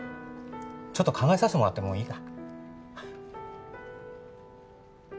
ちょっと考えさせてもらってもいいか？